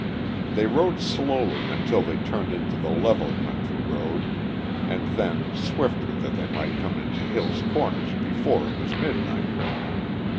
They rode slowly until they turned into the level county road and then swifter that they might come into Hill's Corners before it was midnight.